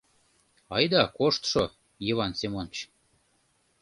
Айда коштшо, Йыван Семоныч.